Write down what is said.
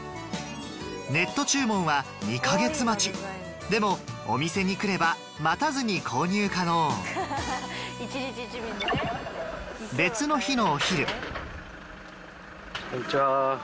ネット注文は２か月待ちでもお店に来れば待たずに購入可能別の日のお昼こんにちは